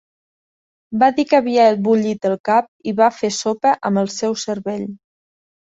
Va dir que havia bullit el cap i va fer sopa amb el seu cervell.